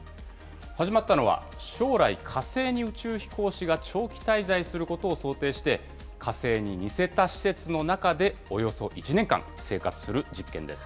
始まったのは、将来、火星に宇宙飛行士が長期滞在することを想定して、火星に似せた施設の中でおよそ１年間、生活する実験です。